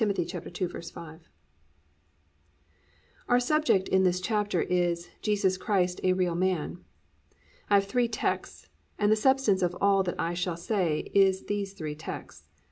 2:5. Our subject in this chapter is "Jesus Christ a Real Man." I have three texts, and the substance of all that I shall say is these three texts.